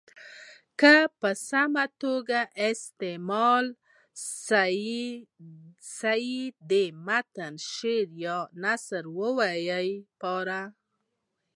که په سمه توګه استعمال سي د متن شعر یا نثر د ویلو په